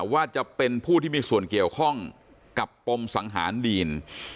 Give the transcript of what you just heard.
ว่าจะเป็นผู้ที่มีส่วนเกี่ยวข้องกับปมสังหารดีน